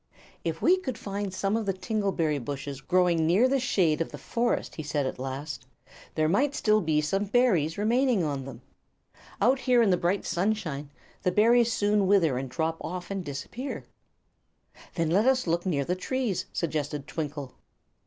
"If we could find some of the tingle bushes growing near the shade of the forest," he said at last, "there might still be some berries remaining on them. Out here in the bright sunshine the berries soon wither and drop off and disappear." "Then let us look near the trees," suggested Twinkle.